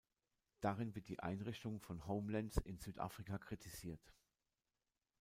Darin wird die Einrichtung von Homelands in Südafrika kritisiert.